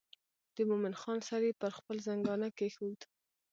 د مومن خان سر یې پر خپل زنګانه کېښود.